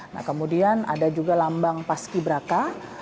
nah kemudian ada juga lambang paski braka